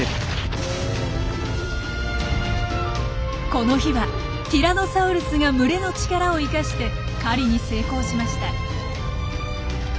この日はティラノサウルスが群れの力を生かして狩りに成功しました。